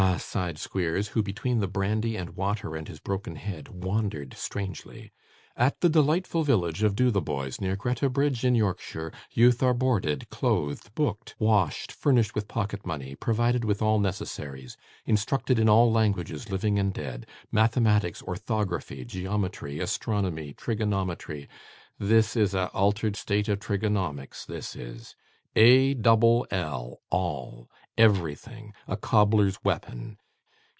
sighed Squeers, who, between the brandy and water and his broken head, wandered strangely, 'at the delightful village of Dotheboys near Greta Bridge in Yorkshire, youth are boarded, clothed, booked, washed, furnished with pocket money, provided with all necessaries, instructed in all languages living and dead, mathematics, orthography, geometry, astronomy, trigonometry this is a altered state of trigonomics, this is! A double 1 all, everything a cobbler's weapon.